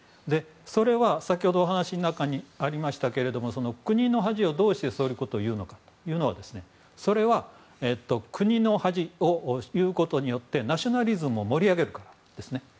それは先ほどお話の中にありましたけれども国の恥をどうしてそういうことを言うのかというのはそれは国の恥と言うことによってナショナリズムを盛り上げるからですね。